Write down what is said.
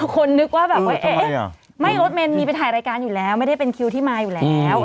คนนึกว่าแบบว่าเอ๊ะไม่รถเมนมีไปถ่ายรายการอยู่แล้วไม่ได้เป็นคิวที่มาอยู่แล้ว